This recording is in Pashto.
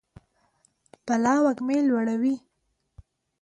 بلا وږمې لوروي